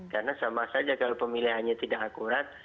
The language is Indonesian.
karena sama saja kalau pemilihannya tidak akurat